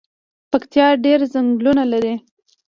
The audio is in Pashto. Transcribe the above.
پکتیا ډیر ځنګلونه لري